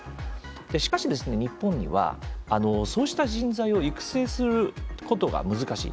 しかしですね、日本はそうした人材を育成することが難しい。